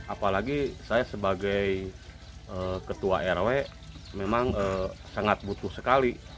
apalagi saya sebagai ketua rw memang sangat butuh sekali